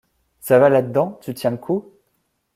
Ça va là-dedans, tu tiens le coup ?